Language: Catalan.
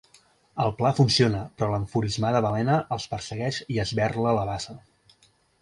El pla funciona, però l'enfurismada balena els persegueix i esberla la bassa.